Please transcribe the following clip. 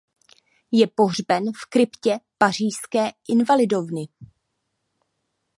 Je pohřben v kryptě pařížské Invalidovny.